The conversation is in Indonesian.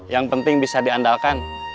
yang penting bisa diandalkan